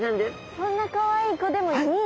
そんなかわいい子でも２位。